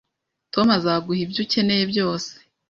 Tom azaguha ibyo ukeneye byose